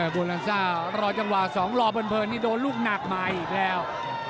โบราณซ่ารอจังหว่า๒รอเปิดโดนลูกหนักมาอีกแล้ว